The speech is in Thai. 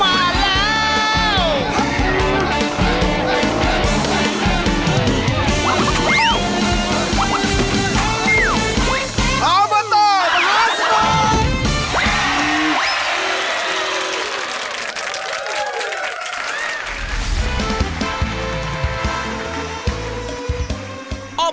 ออเบอร์โต